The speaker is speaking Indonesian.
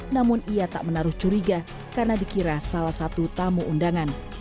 namun ia tak menaruh curiga karena dikira salah satu tamu undangan